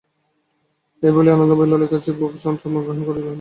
এই বলিয়া আনন্দময়ী ললিতার চিবুক হইতে চুম্বন গ্রহণ করিয়া লইলেন ও বিনয়কে ডাকিয়া আনিলেন।